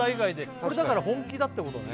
これだから本気だってことね？